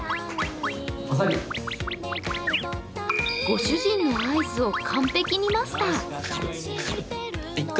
ご主人の合図を完璧にマスター。